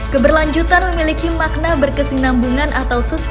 keberlanjutan memiliki makna berkesinambungan atau sustaina